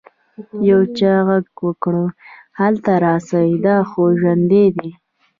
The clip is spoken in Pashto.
يو چا ږغ وکړ هلته راسئ دا خو ژوندى دى.